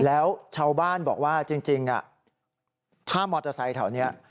แล้วชาวบ้านบอกว่าจริงถ้ามอเตอร์ไซค์แถวนี้